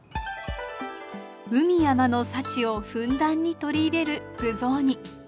海山の幸をふんだんに取り入れる具雑煮。